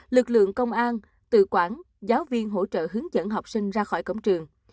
lực lượng công an tự quản giáo viên hỗ trợ hướng dẫn học sinh ra khỏi cổng trường